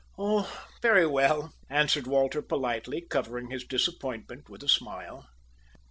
"Oh, very well," answered Walter politely, covering his disappointment with a smile.